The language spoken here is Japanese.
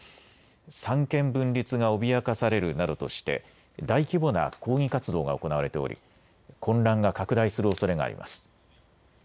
三権分立が脅かされるなどとして大規模な抗議活動が行われており混乱が拡大するおそれがあります。